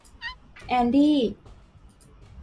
แอนดี้